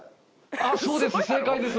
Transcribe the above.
あっそうです正解です！